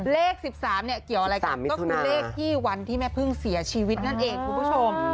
เลข๑๓เนี่ยเกี่ยวอะไรกันก็คือเลขที่วันที่แม่พึ่งเสียชีวิตนั่นเองคุณผู้ชม